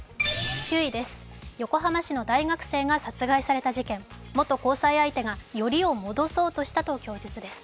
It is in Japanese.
９位です、横浜市の大学生が殺害された事件、元交際相手が、よりを戻そうとしたと供述です。